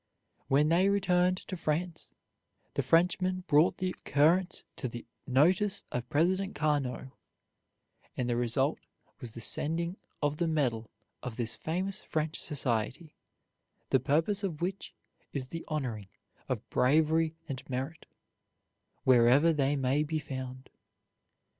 When they returned to France, the Frenchmen brought the occurrence to the notice of President Carnot, and the result was the sending of the medal of this famous French society, the purpose of which is the honoring of bravery and merit, wherever they may be found.